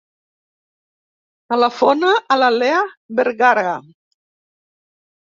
Telefona a la Leah Vergara.